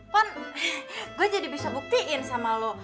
pon gue jadi bisa buktiin sama lo